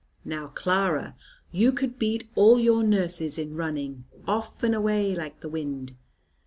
Now, Clara, you could beat all your nurses in running, off and away like the wind!